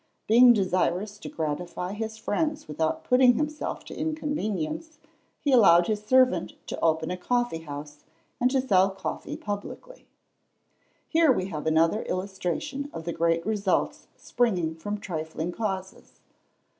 Being desirous to gratify his friends without putting himself to inconvenience, he allowed his servant to open a coffee house, and to sell coffee publicly. Here we have another illustration of the great results springing from trifling causes.